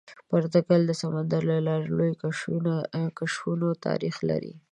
پرتګال د سمندر له لارې لویو کشفونو تاریخ لري.